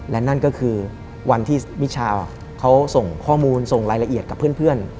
และนั่นก็คือวันที่มิชาวเขาส่งข้อมูลส่งรายละเอียดกับเพื่อน